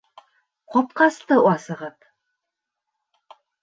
Ҡапҡасты асығыҙ